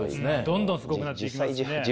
どんどんすごくなっていきますね。